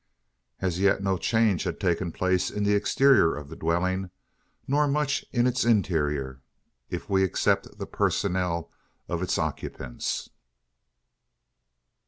As yet no change had taken place in the exterior of the dwelling; nor much in its interior, if we except the personnel of its occupants.